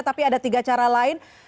tapi ada tiga cara lain